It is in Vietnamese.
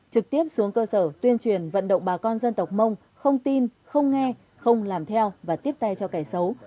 trực tiếp xuống cơ sở tuyên truyền vận động bà con dân tộc mông không tin không nghe không làm theo và tiếp tay cho kẻ xấu